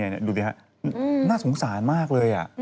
นี่ดูดิครับน่าสงสารมากเลย